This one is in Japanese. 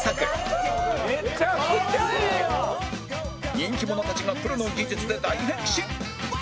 人気者たちがプロの技術で大変身！